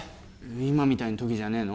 今みたいな時じゃねえの？